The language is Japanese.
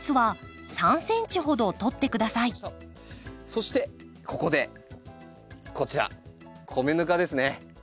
そしてここでこちら米ぬかですね。